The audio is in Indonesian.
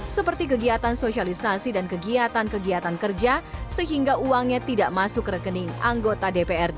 seperti kegiatan sosialisasi dan kegiatan kegiatan kerja sehingga uangnya tidak masuk ke rekening anggota dprd